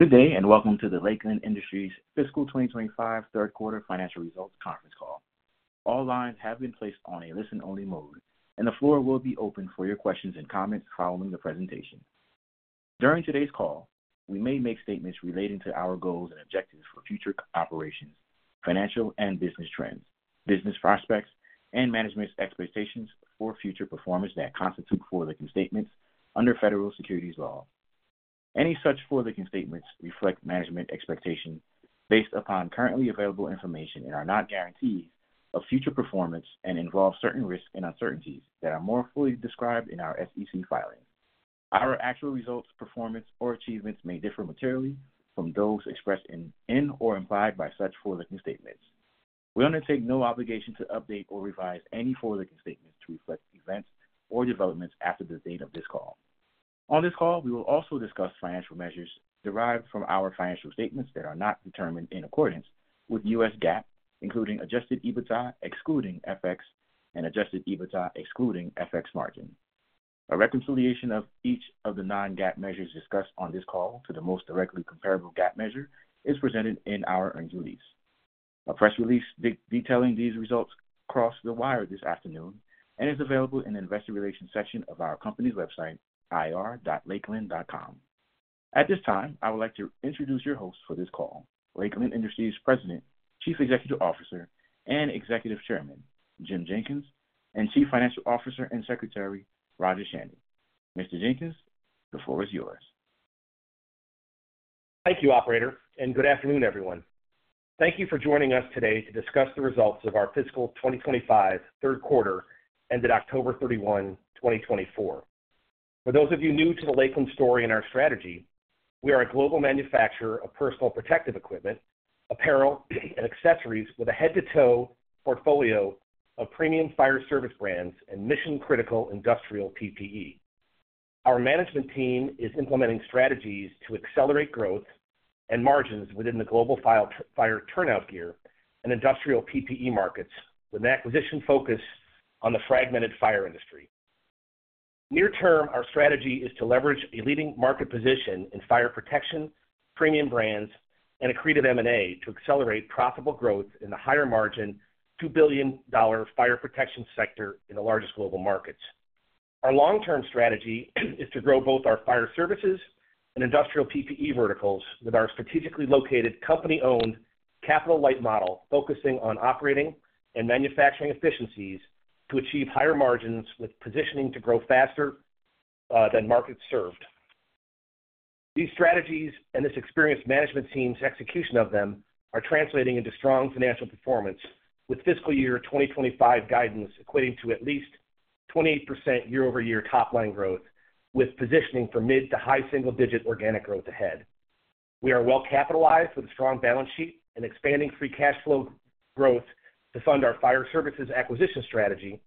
Good day and welcome to the Lakeland Industries Fiscal 2025 Third Quarter Financial Results Conference Call. All lines have been placed on a listen-only mode, and the floor will be open for your questions and comments following the presentation. During today's call, we may make statements relating to our goals and objectives for future operations, financial and business trends, business prospects, and management's expectations for future performance that constitute forward-looking statements under federal securities law. Any such forward-looking statements reflect management expectations based upon currently available information and are not guarantees of future performance and involve certain risks and uncertainties that are more fully described in our SEC filings. Our actual results, performance, or achievements may differ materially from those expressed in and/or implied by such forward-looking statements. We undertake no obligation to update or revise any forward-looking statements to reflect events or developments after the date of this call. On this call, we will also discuss financial measures derived from our financial statements that are not determined in accordance with U.S. GAAP, including adjusted EBITDA excluding FX and adjusted EBITDA excluding FX margin. A reconciliation of each of the non-GAAP measures discussed on this call to the most directly comparable GAAP measure is presented in our earnings release. A press release detailing these results crossed the wire this afternoon and is available in the investor relations section of our company's website, ir.lakeland.com. At this time, I would like to introduce your hosts for this call: Lakeland Industries President, Chief Executive Officer, and Executive Chairman, Jim Jenkins, and Chief Financial Officer and Secretary, Roger Shannon. Mr. Jenkins, the floor is yours. Thank you, Operator, and good afternoon, everyone. Thank you for joining us today to discuss the results of our Fiscal 2025 Third Quarter ended October 31, 2024. For those of you new to the Lakeland story and our strategy, we are a global manufacturer of personal protective equipment, apparel, and accessories with a head-to-toe portfolio of premium fire service brands and mission-critical industrial PPE. Our management team is implementing strategies to accelerate growth and margins within the global fire turnout gear and industrial PPE markets with an acquisition focus on the fragmented fire industry. Near-term, our strategy is to leverage a leading market position in fire protection, premium brands, and accretive M&A to accelerate profitable growth in the higher-margin $2 billion fire protection sector in the largest global markets. Our long-term strategy is to grow both our fire services and industrial PPE verticals with our strategically located company-owned capital light model, focusing on operating and manufacturing efficiencies to achieve higher margins with positioning to grow faster than markets served. These strategies and this experienced management team's execution of them are translating into strong financial performance with fiscal year 2025 guidance equating to at least 28% year-over-year top-line growth, with positioning for mid to high single-digit organic growth ahead. We are well-capitalized with a strong balance sheet and expanding free cash flow growth to fund our fire services acquisition strategy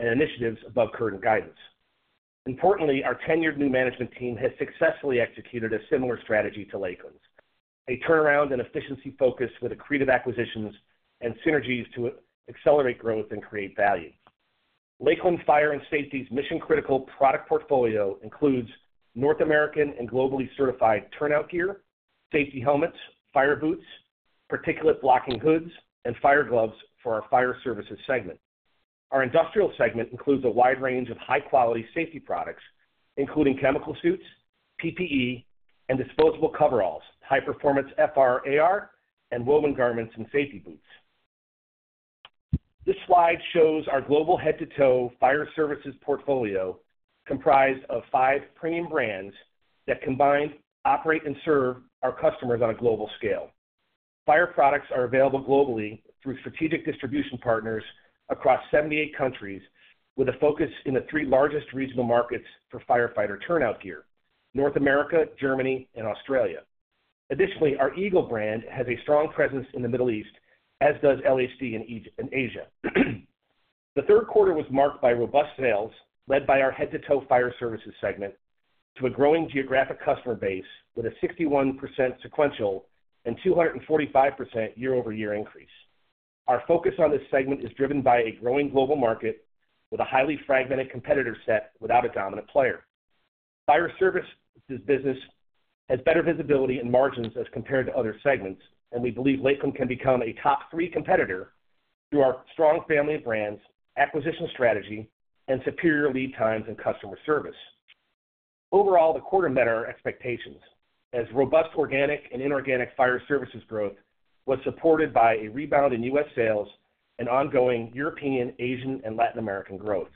and initiatives above current guidance. Importantly, our tenured new management team has successfully executed a similar strategy to Lakeland's: a turnaround and efficiency focus with accretive acquisitions and synergies to accelerate growth and create value. Lakeland Fire and Safety's mission-critical product portfolio includes North American and globally certified turnout gear, safety helmets, fire boots, particulate-blocking hoods, and fire gloves for our fire services segment. Our industrial segment includes a wide range of high-quality safety products, including chemical suits, PPE, and disposable coveralls, high-performance FEAR, and woven garments and safety boots. This slide shows our global head-to-toe fire services portfolio comprised of five premium brands that combine, operate, and serve our customers on a global scale. Fire products are available globally through strategic distribution partners across 78 countries, with a focus in the three largest regional markets for firefighter turnout gear: North America, Germany, and Australia. Additionally, our Eagle brand has a strong presence in the Middle East, as does LHD in Asia. The third quarter was marked by robust sales led by our head-to-toe fire services segment to a growing geographic customer base with a 61% sequential and 245% year-over-year increase. Our focus on this segment is driven by a growing global market with a highly fragmented competitor set without a dominant player. Fire services business has better visibility and margins as compared to other segments, and we believe Lakeland can become a top three competitor through our strong family of brands, acquisition strategy, and superior lead times and customer service. Overall, the quarter met our expectations as robust organic and inorganic fire services growth was supported by a rebound in U.S. sales and ongoing European, Asian, and Latin American growth.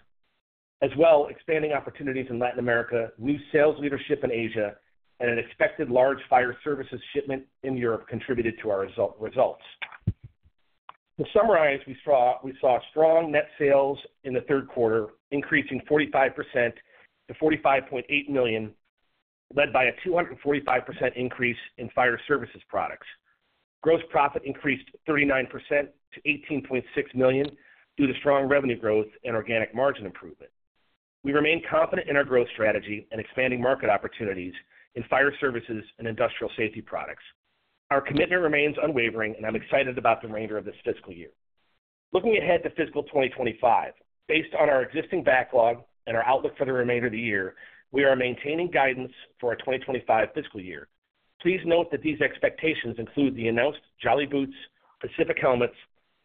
As well, expanding opportunities in Latin America, new sales leadership in Asia, and an expected large fire services shipment in Europe contributed to our results. To summarize, we saw strong net sales in the third quarter increasing 45% to $45.8 million, led by a 245% increase in fire services products. Gross profit increased 39% to $18.6 million due to strong revenue growth and organic margin improvement. We remain confident in our growth strategy and expanding market opportunities in fire services and industrial safety products. Our commitment remains unwavering, and I'm excited about the remainder of this fiscal year. Looking ahead to fiscal 2025, based on our existing backlog and our outlook for the remainder of the year, we are maintaining guidance for our 2025 fiscal year. Please note that these expectations include the announced Jolly Boots, Pacific Helmets,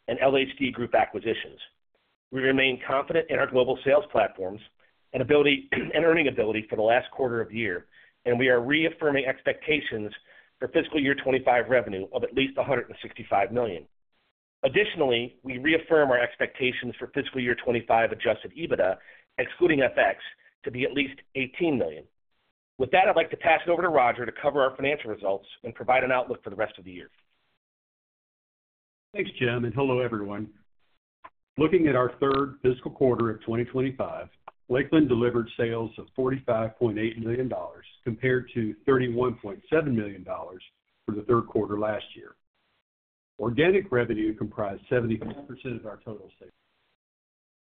and LHD Group acquisitions. We remain confident in our global sales platforms and earning ability for the last quarter of the year, and we are reaffirming expectations for fiscal year 2025 revenue of at least $165 million. Additionally, we reaffirm our expectations for fiscal year 2025 Adjusted EBITDA, excluding FX, to be at least $18 million. With that, I'd like to pass it over to Roger to cover our financial results and provide an outlook for the rest of the year. Thanks, Jim, and hello, everyone. Looking at our third fiscal quarter of 2025, Lakeland delivered sales of $45.8 million compared to $31.7 million for the third quarter last year. Organic revenue comprised 75% of our total sales.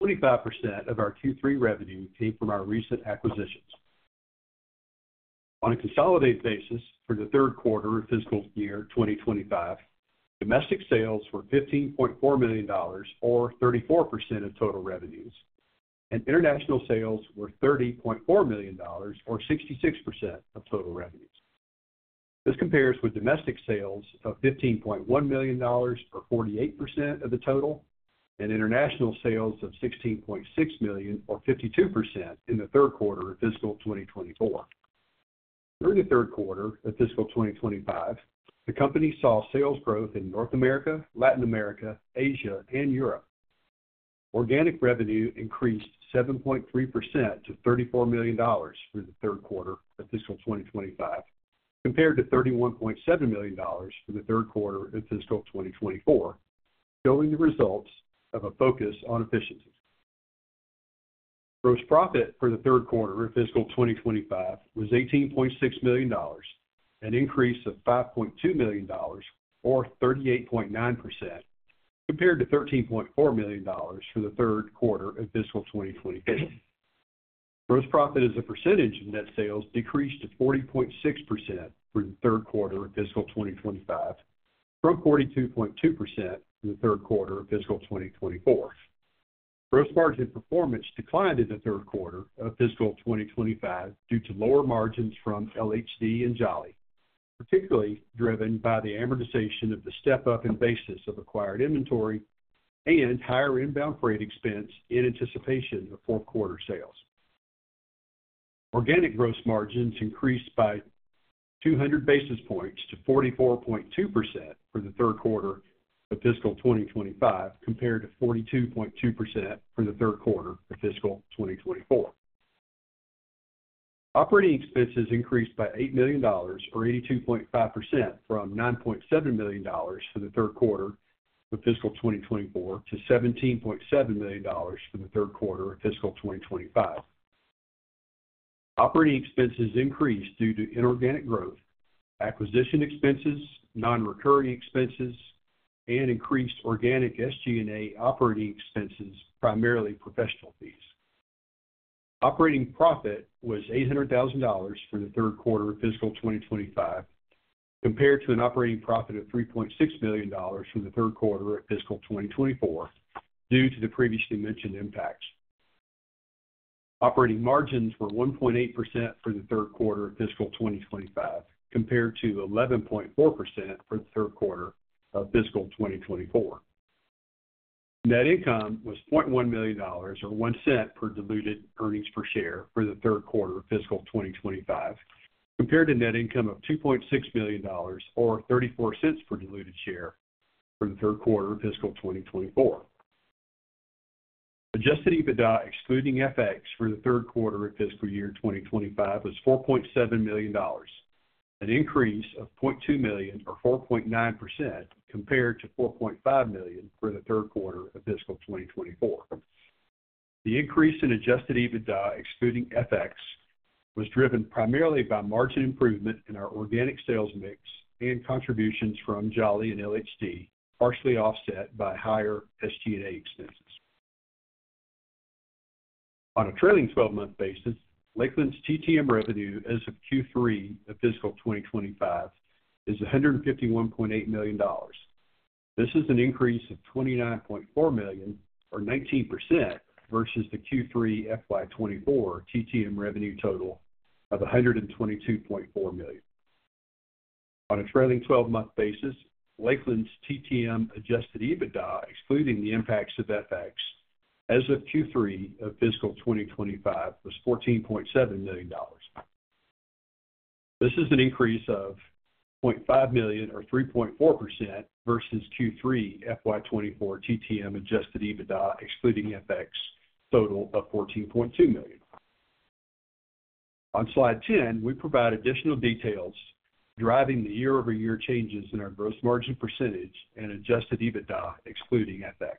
25% of our Q3 revenue came from our recent acquisitions. On a consolidated basis, for the third quarter of fiscal year 2025, domestic sales were $15.4 million, or 34% of total revenues, and international sales were $30.4 million, or 66% of total revenues. This compares with domestic sales of $15.1 million, or 48% of the total, and international sales of $16.6 million, or 52%, in the third quarter of fiscal 2024. During the third quarter of fiscal 2025, the company saw sales growth in North America, Latin America, Asia, and Europe. Organic revenue increased 7.3% to $34 million for the third quarter of fiscal 2025, compared to $31.7 million for the third quarter of fiscal 2024, showing the results of a focus on efficiency. Gross profit for the third quarter of fiscal 2025 was $18.6 million, an increase of $5.2 million, or 38.9%, compared to $13.4 million for the third quarter of fiscal 2024. Gross profit as a percentage of net sales decreased to 40.6% for the third quarter of fiscal 2025, from 42.2% in the third quarter of fiscal 2024. Gross margin performance declined in the third quarter of fiscal 2025 due to lower margins from LHD and Jolly, particularly driven by the amortization of the step-up in basis of acquired inventory and higher inbound freight expense in anticipation of fourth quarter sales. Organic gross margins increased by 200 basis points to 44.2% for the third quarter of fiscal 2025, compared to 42.2% for the third quarter of fiscal 2024. Operating expenses increased by $8 million, or 82.5%, from $9.7 million for the third quarter of fiscal 2024 to $17.7 million for the third quarter of fiscal 2025. Operating expenses increased due to inorganic growth, acquisition expenses, non-recurring expenses, and increased organic SG&A operating expenses, primarily professional fees. Operating profit was $800,000 for the third quarter of fiscal 2025, compared to an operating profit of $3.6 million for the third quarter of fiscal 2024 due to the previously mentioned impacts. Operating margins were 1.8% for the third quarter of fiscal 2025, compared to 11.4% for the third quarter of fiscal 2024. Net income was $0.1 million, or $0.01 per diluted earnings per share for the third quarter of fiscal 2025, compared to net income of $2.6 million, or $0.34 per diluted share for the third quarter of fiscal 2024. Adjusted EBITDA excluding FX for the third quarter of fiscal year 2025 was $4.7 million, an increase of $0.2 million, or 4.9%, compared to $4.5 million for the third quarter of fiscal 2024. The increase in adjusted EBITDA excluding FX was driven primarily by margin improvement in our organic sales mix and contributions from Jolly and LHD, partially offset by higher SG&A expenses. On a trailing 12-month basis, Lakeland's TTM revenue as of Q3 of fiscal 2025 is $151.8 million. This is an increase of $29.4 million, or 19%, versus the Q3 FY24 TTM revenue total of $122.4 million. On a trailing 12-month basis, Lakeland's TTM adjusted EBITDA excluding the impacts of FX as of Q3 of fiscal 2025 was $14.7 million. This is an increase of $0.5 million, or 3.4%, versus Q3 FY24 TTM adjusted EBITDA excluding FX total of $14.2 million. On slide 10, we provide additional details driving the year-over-year changes in our gross margin percentage and adjusted EBITDA excluding FX.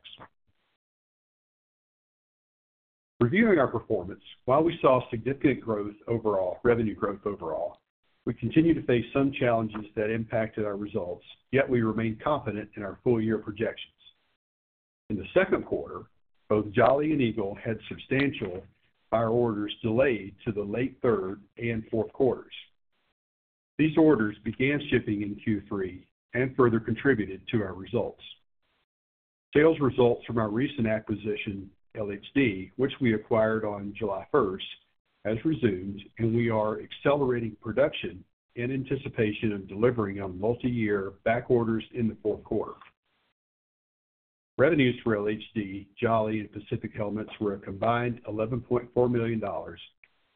Reviewing our performance, while we saw significant growth overall, revenue growth overall, we continue to face some challenges that impacted our results, yet we remain confident in our full-year projections. In the second quarter, both Jolly and Eagle had substantial fire orders delayed to the late third and fourth quarters. These orders began shipping in Q3 and further contributed to our results. Sales results from our recent acquisition, LHD, which we acquired on July 1st, have resumed, and we are accelerating production in anticipation of delivering on multi-year back orders in the fourth quarter. Revenues for LHD, Jolly, and Pacific Helmets were a combined $11.4 million,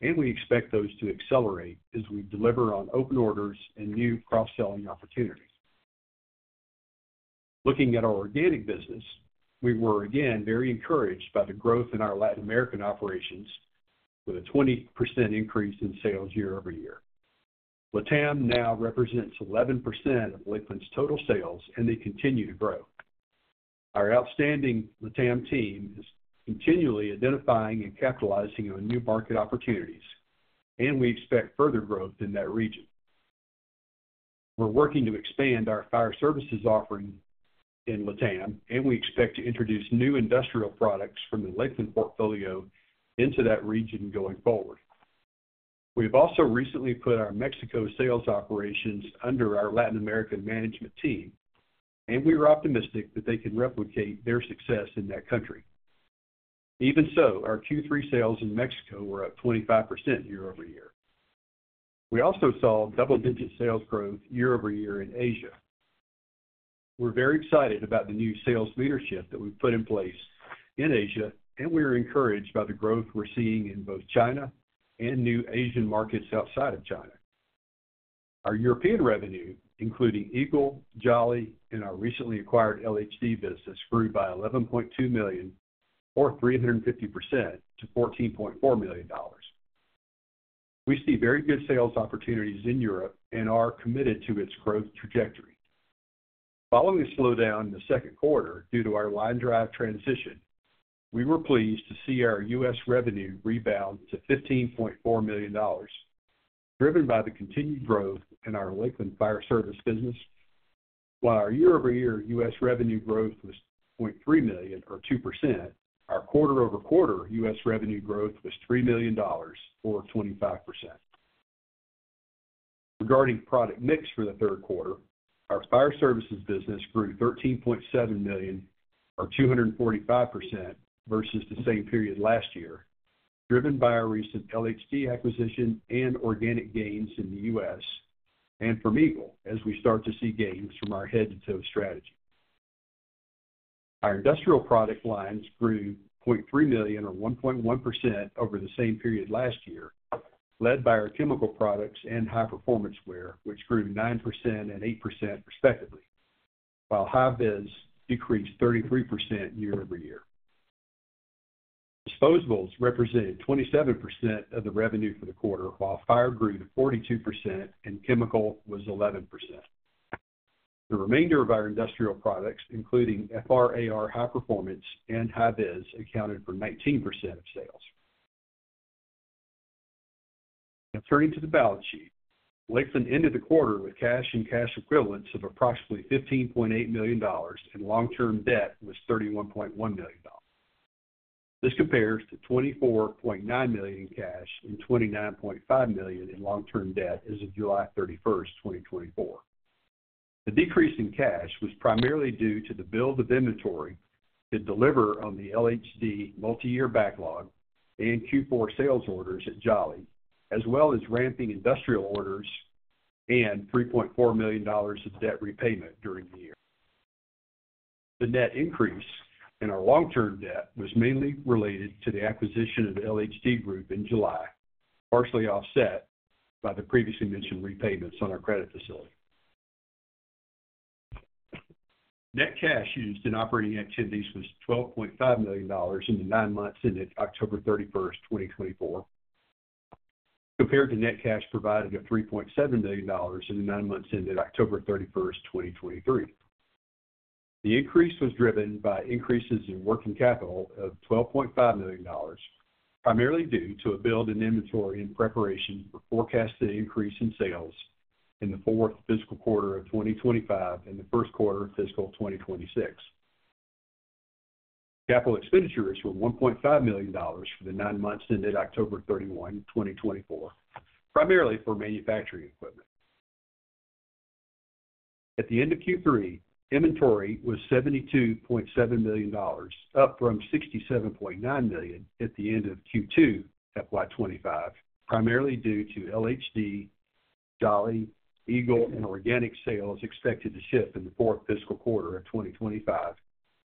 and we expect those to accelerate as we deliver on open orders and new cross-selling opportunities. Looking at our organic business, we were again very encouraged by the growth in our Latin American operations, with a 20% increase in sales year-over-year. Latam now represents 11% of Lakeland's total sales, and they continue to grow. Our outstanding Latam team is continually identifying and capitalizing on new market opportunities, and we expect further growth in that region. We're working to expand our fire services offering in Latam, and we expect to introduce new industrial products from the Lakeland portfolio into that region going forward. We have also recently put our Mexico sales operations under our Latin American management team, and we are optimistic that they can replicate their success in that country. Even so, our Q3 sales in Mexico were up 25% year-over-year. We also saw double-digit sales growth year-over-year in Asia. We're very excited about the new sales leadership that we've put in place in Asia, and we are encouraged by the growth we're seeing in both China and new Asian markets outside of China. Our European revenue, including Eagle, Jolly, and our recently acquired LHD business, grew by $11.2 million, or 350%, to $14.4 million. We see very good sales opportunities in Europe and are committed to its growth trajectory. Following a slowdown in the second quarter due to our LineDrive transition, we were pleased to see our US revenue rebound to $15.4 million, driven by the continued growth in our Lakeland fire service business. While our year-over-year US revenue growth was $0.3 million, or 2%, our quarter-over-quarter US revenue growth was $3 million, or 25%. Regarding product mix for the third quarter, our fire services business grew $13.7 million, or 245%, versus the same period last year, driven by our recent LHD acquisition and organic gains in the US, and from Eagle as we start to see gains from our head-to-toe strategy. Our industrial product lines grew $0.3 million, or 1.1%, over the same period last year, led by our chemical products and high-performance wear, which grew 9% and 8%, respectively, while high-vis decreased 33% year-over-year. Disposables represented 27% of the revenue for the quarter, while fire grew to 42%, and chemical was 11%. The remainder of our industrial products, including FRAR high-performance and high-vis, accounted for 19% of sales. Now, turning to the balance sheet, Lakeland ended the quarter with cash and cash equivalents of approximately $15.8 million, and long-term debt was $31.1 million. This compares to $24.9 million in cash and $29.5 million in long-term debt as of July 31st, 2024. The decrease in cash was primarily due to the build of inventory to deliver on the LHD multi-year backlog and Q4 sales orders at Jolly, as well as ramping industrial orders and $3.4 million of debt repayment during the year. The net increase in our long-term debt was mainly related to the acquisition of LHD Group in July, partially offset by the previously mentioned repayments on our credit facility. Net cash used in operating activities was $12.5 million in the nine months ended October 31st, 2024, compared to net cash provided of $3.7 million in the nine months ended October 31st, 2023. The increase was driven by increases in working capital of $12.5 million, primarily due to a build in inventory in preparation for forecasted increase in sales in the fourth fiscal quarter of 2025 and the first quarter of fiscal 2026. Capital expenditures were $1.5 million for the nine months ended October 31, 2024, primarily for manufacturing equipment. At the end of Q3, inventory was $72.7 million, up from $67.9 million at the end of Q2 FY25, primarily due to LHD, Jolly, Eagle, and organic sales expected to shift in the fourth fiscal quarter of 2025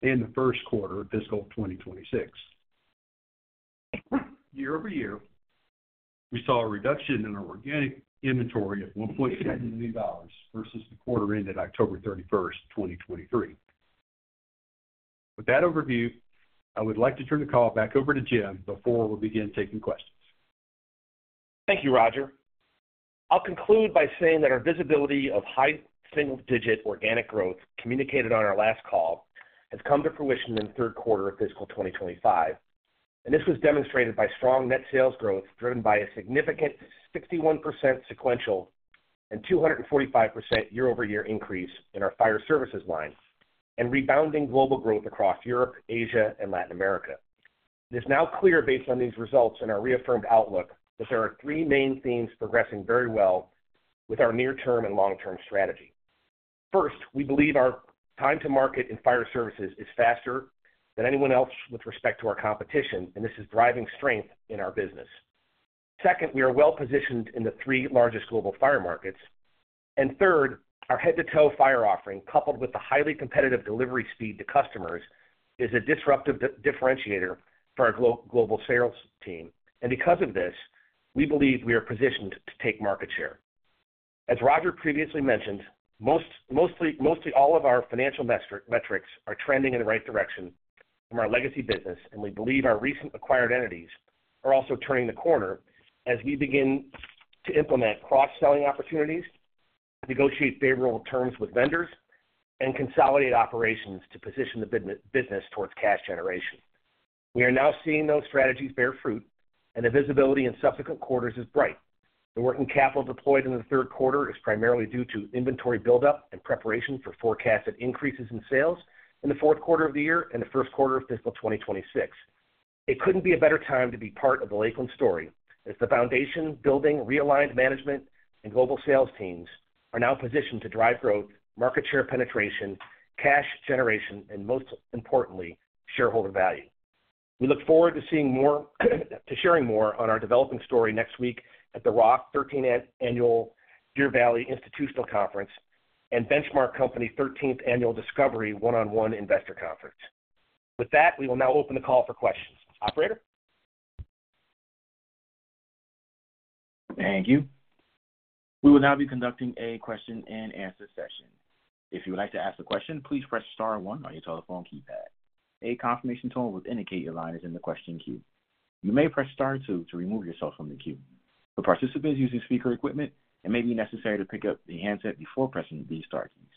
and the first quarter of fiscal 2026. Year-over-year, we saw a reduction in our organic inventory of $1.7 million versus the quarter ended October 31st, 2023. With that overview, I would like to turn the call back over to Jim before we begin taking questions. Thank you, Roger. I'll conclude by saying that our visibility of high single-digit organic growth communicated on our last call has come to fruition in the third quarter of fiscal 2025, and this was demonstrated by strong net sales growth driven by a significant 61% sequential and 245% year-over-year increase in our fire services line and rebounding global growth across Europe, Asia, and Latin America. It is now clear, based on these results and our reaffirmed outlook, that there are three main themes progressing very well with our near-term and long-term strategy. First, we believe our time to market in fire services is faster than anyone else with respect to our competition, and this is driving strength in our business. Second, we are well positioned in the three largest global fire markets. And third, our head-to-toe fire offering, coupled with the highly competitive delivery speed to customers, is a disruptive differentiator for our global sales team. And because of this, we believe we are positioned to take market share. As Roger previously mentioned, mostly all of our financial metrics are trending in the right direction from our legacy business, and we believe our recent acquired entities are also turning the corner as we begin to implement cross-selling opportunities, negotiate favorable terms with vendors, and consolidate operations to position the business towards cash generation. We are now seeing those strategies bear fruit, and the visibility in subsequent quarters is bright. The working capital deployed in the third quarter is primarily due to inventory buildup and preparation for forecasted increases in sales in the fourth quarter of the year and the first quarter of fiscal 2026. It couldn't be a better time to be part of the Lakeland story, as the foundation, building, realigned management, and global sales teams are now positioned to drive growth, market share penetration, cash generation, and most importantly, shareholder value. We look forward to seeing more and sharing more on our developing story next week at the Roth 13th Annual Deer Valley Institutional Conference and Benchmark Company 13th Annual Discovery One-on-One Investor Conference. With that, we will now open the call for questions. Operator? Thank you. We will now be conducting a question-and-answer session. If you would like to ask a question, please press star one on your telephone keypad. A confirmation tone will indicate your line is in the question queue. You may press star two to remove yourself from the queue. For participants using speaker equipment, it may be necessary to pick up the handset before pressing the star keys.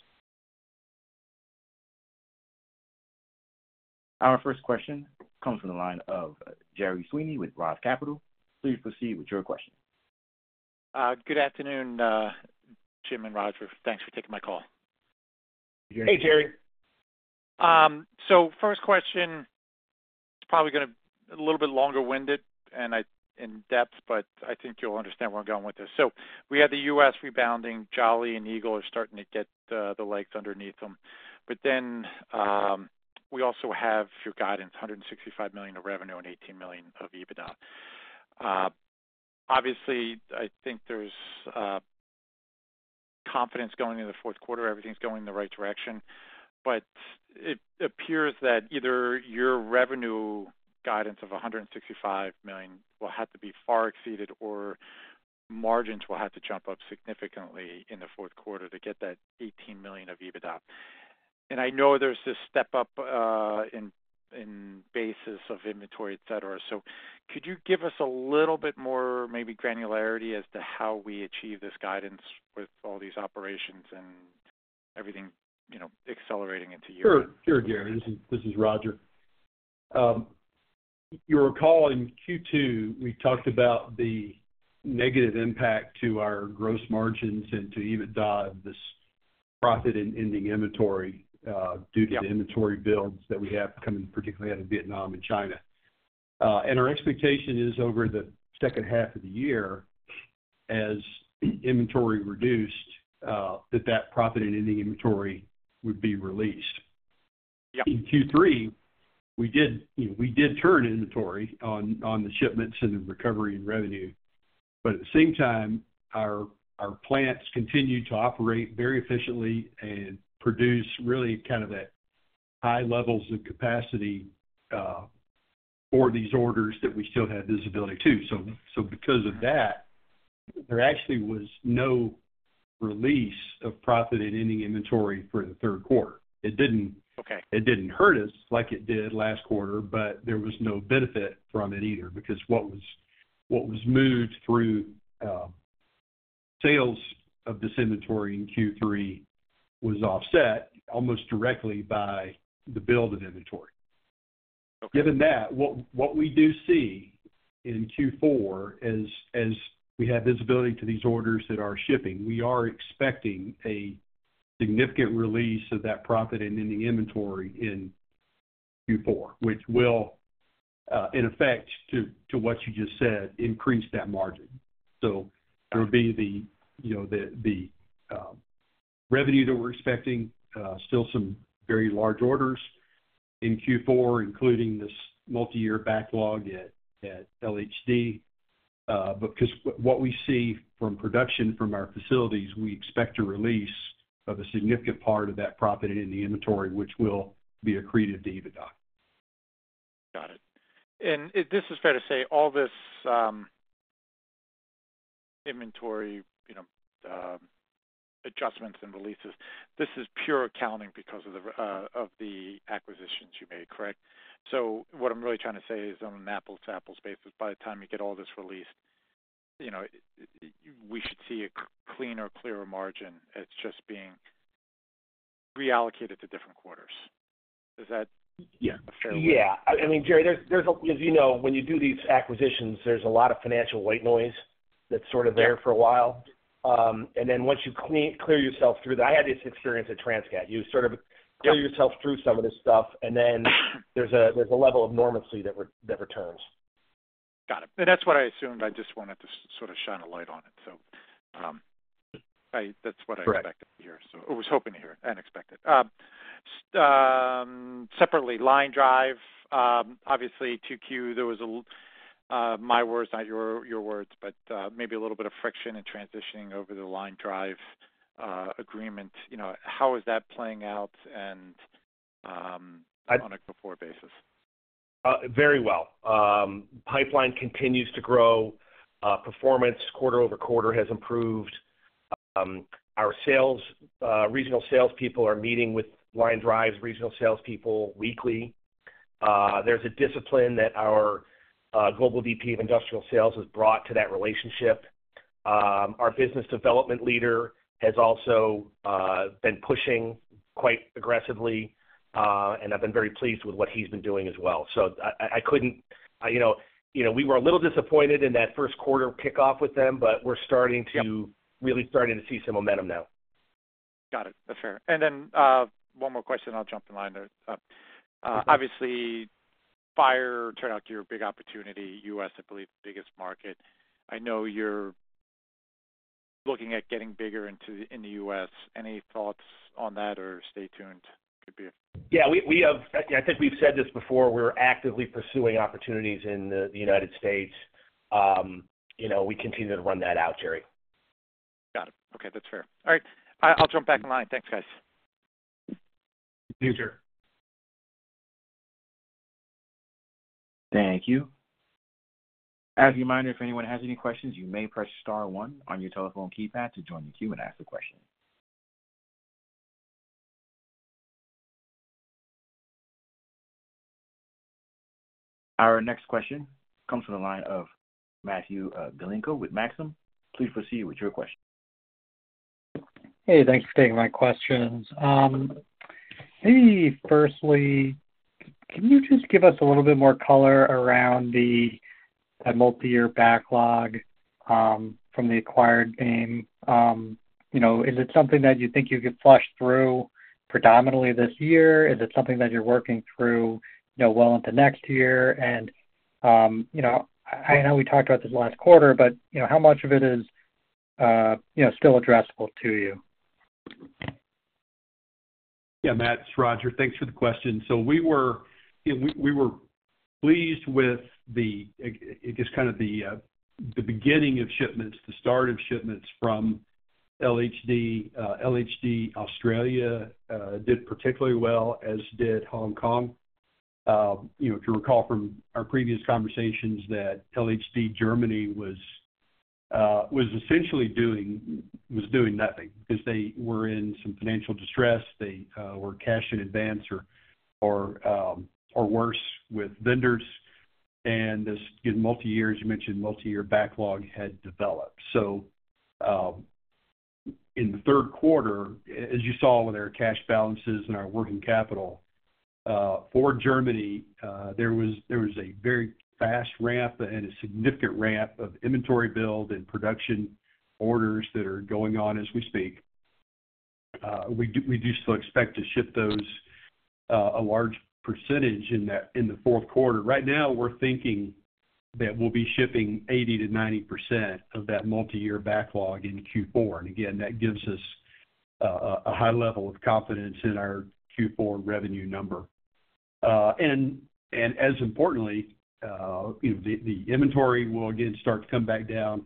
Our first question comes from the line of Gerry Sweeney with Roth Capital. Please proceed with your question. Good afternoon, Jim and Roger. Thanks for taking my call. Hey, Gerry. So first question, it's probably going to be a little bit longer-winded and in-depth, but I think you'll understand where I'm going with this. So we have the US rebounding. Jolly and Eagle are starting to get the legs underneath them. But then we also have your guidance: $165 million of revenue and $18 million of EBITDA. Obviously, I think there's confidence going into the fourth quarter. Everything's going in the right direction. But it appears that either your revenue guidance of $165 million will have to be far exceeded, or margins will have to jump up significantly in the fourth quarter to get that $18 million of EBITDA. And I know there's this step-up in basis of inventory, etc. So could you give us a little bit more maybe granularity as to how we achieve this guidance with all these operations and everything accelerating into year-over-year? Sure, Gerry. This is Roger. You recall in Q2, we talked about the negative impact to our gross margins and to EBITDA, this profit in ending inventory due to the inventory builds that we have coming, particularly out of Vietnam and China. And our expectation is over the second half of the year, as inventory reduced, that that profit in ending inventory would be released. In Q3, we did turn inventory on the shipments and the recovery in revenue. But at the same time, our plants continued to operate very efficiently and produce really kind of at high levels of capacity for these orders that we still had visibility to. So because of that, there actually was no release of profit in ending inventory for the third quarter. It didn't hurt us like it did last quarter, but there was no benefit from it either because what was moved through sales of this inventory in Q3 was offset almost directly by the build of inventory. Given that, what we do see in Q4, as we have visibility to these orders that are shipping, we are expecting a significant release of that profit in ending inventory in Q4, which will, in effect, to what you just said, increase that margin. So there will be the revenue that we're expecting, still some very large orders in Q4, including this multi-year backlog at LHD. But because what we see from production from our facilities, we expect a release of a significant part of that profit in ending inventory, which will be accretive to EBITDA. Got it. And this is fair to say, all this inventory adjustments and releases, this is pure accounting because of the acquisitions you made, correct? So what I'm really trying to say is on an apples-to-apples basis, by the time you get all this released, we should see a cleaner, clearer margin as just being reallocated to different quarters. Is that a fair way? Yeah. I mean, Gerry, as you know, when you do these acquisitions, there's a lot of financial white noise that's sort of there for a while. Then once you clear yourself through that, I had this experience at Transcat. You sort of clear yourself through some of this stuff, and then there's a level of normalcy that returns. Got it. And that's what I assumed. I just wanted to sort of shine a light on it. So that's what I expected to hear. So I was hoping to hear and expected. Separately, LineDrive, obviously to Q, there was my words, not your words, but maybe a little bit of friction and transitioning over the LineDrive agreement. How is that playing out on a Q4 basis? Very well. Pipeline continues to grow. Performance quarter over quarter has improved. Our regional salespeople are meeting with LineDrive regional salespeople weekly. There's a discipline that our global VP of industrial sales has brought to that relationship. Our business development leader has also been pushing quite aggressively, and I've been very pleased with what he's been doing as well. So I couldn't—we were a little disappointed in that first quarter kickoff with them, but we're starting to really see some momentum now. Got it. That's fair. And then one more question, and I'll jump in line there. Obviously, fire turned out to be your big opportunity. US, I believe, the biggest market. I know you're looking at getting bigger in the US. Any thoughts on that, or stay tuned? Yeah. I think we've said this before. We're actively pursuing opportunities in the United States. We continue to run that out, Gerry. Got it. Okay. That's fair. All right. I'll jump back in line. Thanks, guys. You too. Thank you. As a reminder, if anyone has any questions, you may press star one on your telephone keypad to join the queue and ask the question. Our next question comes from the line of Matthew Galinko with Maxim. Please proceed with your question. Hey, thanks for taking my questions. Maybe firstly, can you just give us a little bit more color around the multi-year backlog from the acquired LHD? Is it something that you think you could flush through predominantly this year? Is it something that you're working through well into next year? And I know we talked about this last quarter, but how much of it is still addressable to you? Yeah, Matt, Roger, thanks for the question. So we were pleased with, I guess, kind of the beginning of shipments, the start of shipments from LHD. LHD, Australia, did particularly well, as did Hong Kong. If you recall from our previous conversations, that LHD, Germany, was essentially doing nothing because they were in some financial distress. They were cash in advance or worse with vendors, and this multi-year, as you mentioned, multi-year backlog had developed, so in the third quarter, as you saw with our cash balances and our working capital, for Germany, there was a very fast ramp and a significant ramp of inventory build and production orders that are going on as we speak. We do still expect to ship those a large percentage in the fourth quarter. Right now, we're thinking that we'll be shipping 80%-90% of that multi-year backlog in Q4, and again, that gives us a high level of confidence in our Q4 revenue number, and as importantly, the inventory will again start to come back down.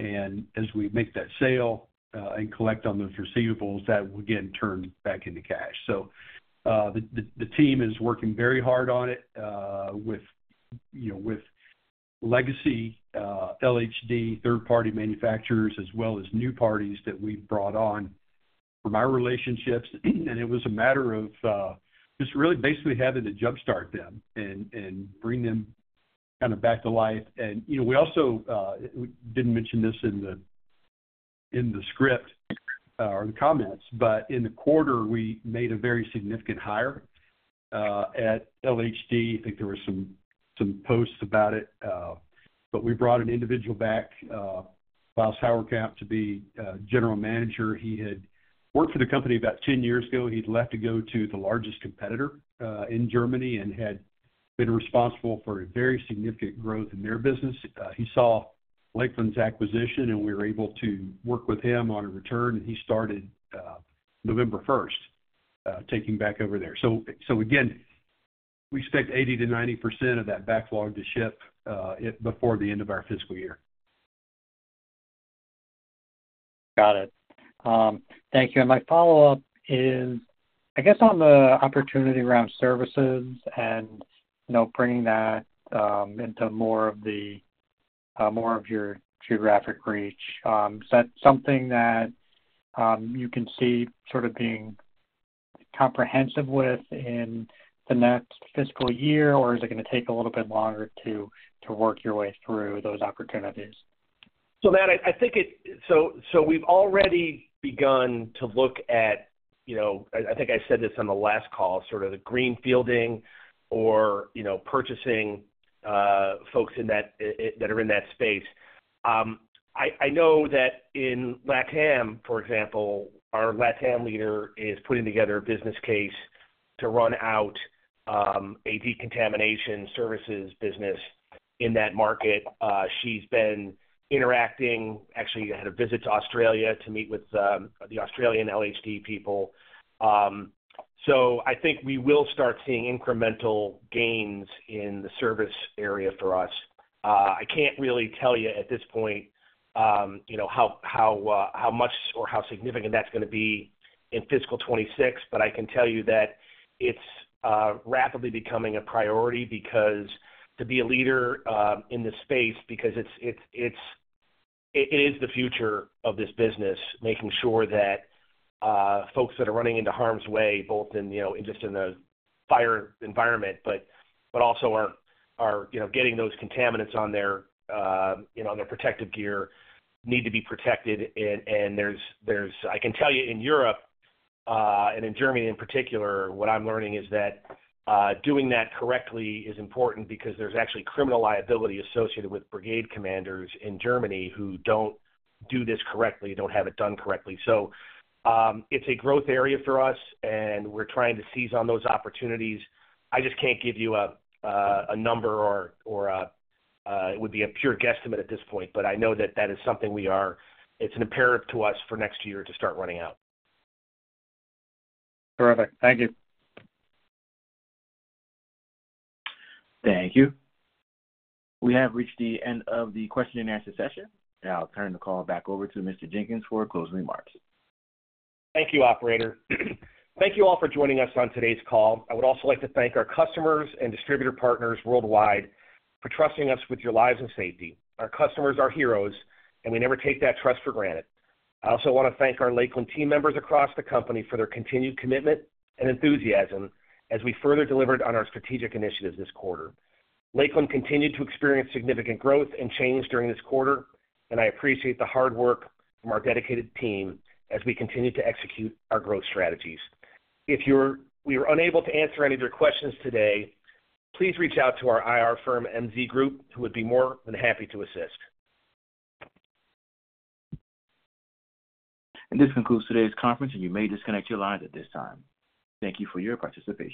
As we make that sale and collect on those receivables, that will again turn back into cash. So the team is working very hard on it with legacy LHD third-party manufacturers, as well as new parties that we've brought on from our relationships. It was a matter of just really basically having to jump-start them and bring them kind of back to life. We also didn't mention this in the script or the comments, but in the quarter, we made a very significant hire at LHD. I think there were some posts about it. We brought an individual back, Klaus Haverkamp, to be General Manager. He had worked for the company about 10 years ago. He'd left to go to the largest competitor in Germany and had been responsible for a very significant growth in their business. He saw Lakeland's acquisition, and we were able to work with him on a return. And he started November 1st, taking back over there. So again, we expect 80%-90% of that backlog to ship before the end of our fiscal year. Got it. Thank you. And my follow-up is, I guess, on the opportunity around services and bringing that into more of your geographic reach. Is that something that you can see sort of being comprehensive with in the next fiscal year, or is it going to take a little bit longer to work your way through those opportunities? So Matt, I think it—so we've already begun to look at, I think I said this on the last call, sort of the greenfielding or purchasing folks that are in that space. I know that in LATAM, for example, our LATAM leader is putting together a business case to run out a decontamination services business in that market. She's been interacting. Actually, I had a visit to Australia to meet with the Australian LHD people. So I think we will start seeing incremental gains in the service area for us. I can't really tell you at this point how much or how significant that's going to be in fiscal 2026, but I can tell you that it's rapidly becoming a priority to be a leader in this space because it is the future of this business, making sure that folks that are running into harm's way, both just in the fire environment, but also are getting those contaminants on their protective gear need to be protected. And I can tell you in Europe and in Germany in particular, what I'm learning is that doing that correctly is important because there's actually criminal liability associated with brigade commanders in Germany who don't do this correctly, don't have it done correctly. So it's a growth area for us, and we're trying to seize on those opportunities. I just can't give you a number, or it would be a pure guesstimate at this point, but I know that that is something we are. It's an imperative to us for next year to start running out. Terrific. Thank you. Thank you. We have reached the end of the question-and-answer session. I'll turn the call back over to Mr. Jenkins for closing remarks. Thank you, operator. Thank you all for joining us on today's call. I would also like to thank our customers and distributor partners worldwide for trusting us with your lives and safety. Our customers are heroes, and we never take that trust for granted. I also want to thank our Lakeland team members across the company for their continued commitment and enthusiasm as we further delivered on our strategic initiatives this quarter. Lakeland continued to experience significant growth and change during this quarter, and I appreciate the hard work from our dedicated team as we continue to execute our growth strategies. If we were unable to answer any of your questions today, please reach out to our IR firm, MZ Group, who would be more than happy to assist. This concludes today's conference, and you may disconnect your lines at this time. Thank you for your participation.